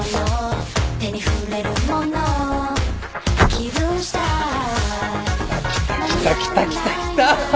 きたきたきたきたきたきた！